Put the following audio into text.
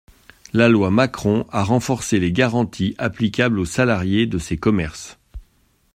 La loi Macron a renforcé les garanties applicables aux salariés de ces commerces.